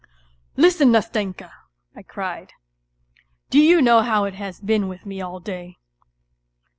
" Listen, Nastenka !" I cried. " Do you know how it has been with me all day."